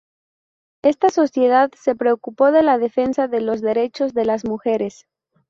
Esta sociedad se preocupó de la defensa de los derechos de las mujeres.